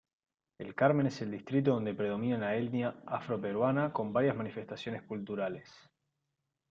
El Carmen es el distrito donde predomina la etnia afroperuana con varias manifestaciones culturales.